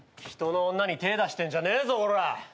人の女に手出してんじゃねえぞコラ。